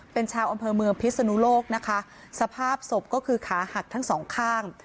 เป็นชาวอำเภอเมืองพิศนุโลกนะคะสภาพศพก็คือขาหักทั้งสองข้าง